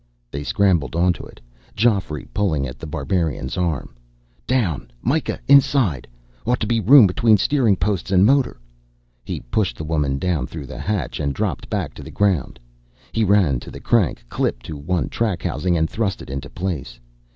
They scrambled onto it, Geoffrey pulling at The Barbarian's arm. "Down, Myka inside. Ought to be room between steering posts and motor." He pushed the woman down through the hatch, and dropped back to the ground. He ran to the crank clipped to one track housing and thrust it into place.